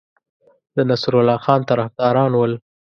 د نصرالله خان طرفداران ول.